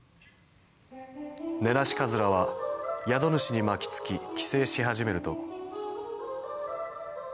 ネナシカズラは宿主に巻きつき寄生し始めると。